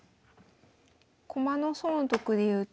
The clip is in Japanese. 駒の損得でいうと。